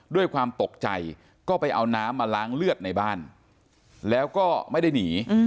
ด้วยความตกใจก็ไปเอาน้ำมาล้างเลือดในบ้านแล้วก็ไม่ได้หนี